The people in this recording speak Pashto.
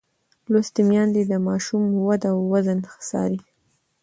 لوستې میندې د ماشوم وده او وزن څاري.